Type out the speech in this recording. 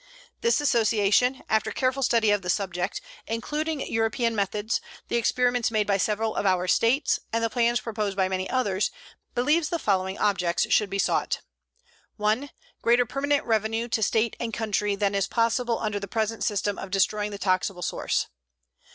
This Association, after careful study of the subject, including European methods, the experiments made by several of our States, and the plans proposed by many others, believes the following objects should be sought: 1. Greater permanent revenue to state and country than is possible under the present system of destroying the taxable source.